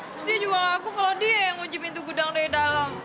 terus dia juga ngaku kalo dia yang ngejepit gedang dari dalam